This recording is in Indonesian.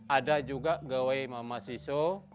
ada juga gawai mamasiso